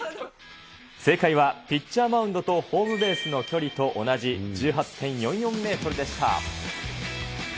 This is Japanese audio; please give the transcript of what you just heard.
正解はピッチャーマウンドとホームベースの距離と同じ１８．４４メートルでした。